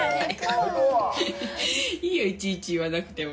いいよ、いちいち言わなくても。